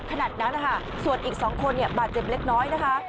ขนาดนั้นนะคะส่วนอีก๒คนบาดเจ็บเล็กน้อยนะคะ